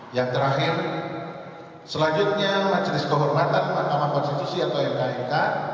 yang terakhir selanjutnya majelis kehormatan mahkamah konstitusi atau lknk